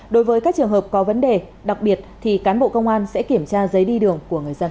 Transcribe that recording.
đối với các trường hợp có vấn đề đặc biệt thì cán bộ công an sẽ kiểm tra giấy đi đường của người dân